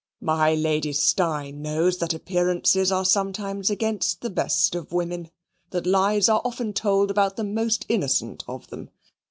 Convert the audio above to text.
My Lady Steyne knows that appearances are sometimes against the best of women; that lies are often told about the most innocent of them.